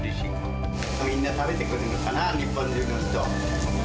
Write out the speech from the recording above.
みんな食べてくれるかな、日本中の人。